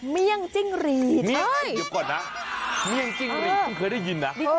เลี่ยงจิ้งรีดเดี๋ยวก่อนนะเมี่ยงจิ้งหรีดเพิ่งเคยได้ยินนะ